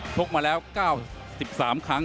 ชกมาแล้ว๙๓ครั้ง